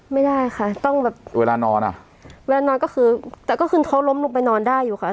ไม่ได้ค่ะต้องแบบเวลานอนอ่ะเวลานอนก็คือแต่ก็คือเขาล้มลงไปนอนได้อยู่ค่ะ